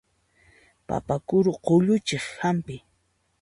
Papa kuru qulluchiq hampi.